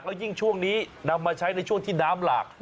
แล้วยิ่งช่วงนี้นำมาใช้ในช่วงที่น้ำหลาก